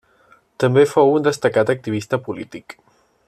També fou un destacat activista polític.